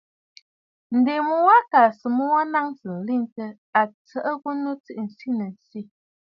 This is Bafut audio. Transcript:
Ǹdèmu wa kaa à sɨ mu wa naŋsə nlentə, a tsəʼə ghu nu siʼi siʼi.